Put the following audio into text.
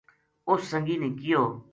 اُس سنگی نے کہیو